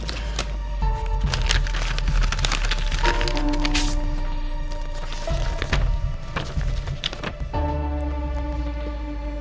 bukan bener buat nino